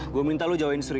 gua minta lu jawain sri